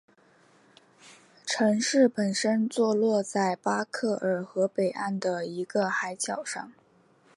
城市本身坐落在巴克尔河北岸的一个海角上。